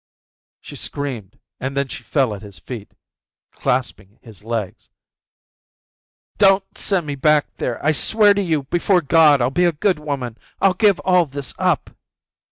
She screamed, and then she fell at his feet, clasping his legs. "Don't send me back there. I swear to you before God I'll be a good woman. I'll give all this up."